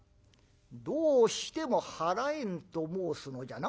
「どうしても払えぬと申すのじゃな。